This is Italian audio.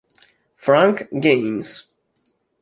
Frank Gaines